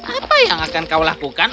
apa yang akan kau lakukan